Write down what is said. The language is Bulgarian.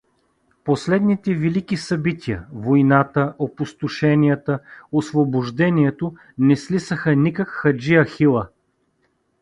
Последните велики събития: войната, опустошенията, освобождението не слисаха никак хаджи Ахила.